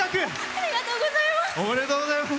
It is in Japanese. ありがとうございます！